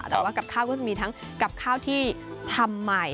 แต่ว่ากับข้าวก็จะมีทั้งกับข้าวที่ทำใหม่